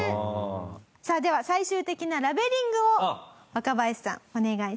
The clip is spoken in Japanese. さあでは最終的なラベリングを若林さんお願いします。